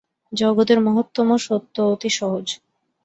জগতের মহত্তম সত্য অতি সহজ।